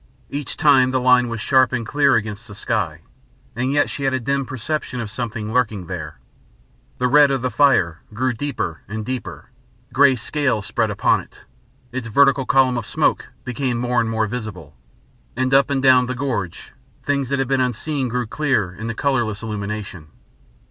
Each time the line was sharp and clear against the sky, and yet she had a dim perception of something lurking there. The red of the fire grew deeper and deeper, grey scales spread upon it, its vertical column of smoke became more and more visible, and up and down the gorge things that had been unseen grew clear in a colourless illumination.